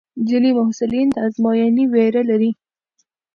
ځینې محصلین د ازموینې وېره لري.